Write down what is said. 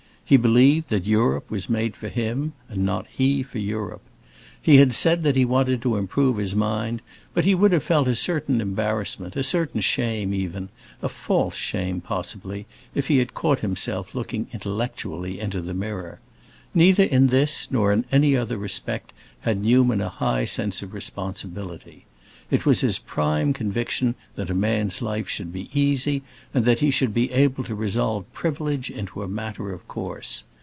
He believed that Europe was made for him, and not he for Europe. He had said that he wanted to improve his mind, but he would have felt a certain embarrassment, a certain shame, even—a false shame, possibly—if he had caught himself looking intellectually into the mirror. Neither in this nor in any other respect had Newman a high sense of responsibility; it was his prime conviction that a man's life should be easy, and that he should be able to resolve privilege into a matter of course.